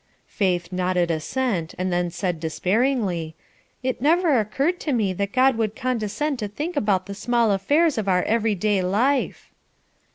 Faith nodded assent, and then said despairingly, "It never seemed to me that God would condescend to think about the small affairs of our everyday life."